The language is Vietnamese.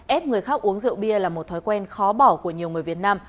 ép người khác uống rượu bia là một thói quen khó bỏ của nhiều người việt nam